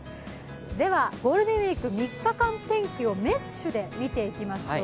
ゴールデンウイーク３日間天気をメッシュで見ていきましょう。